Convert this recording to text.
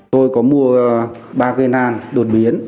tôi có mua ba cây lan đột biến